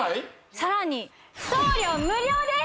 さらに送料無料です！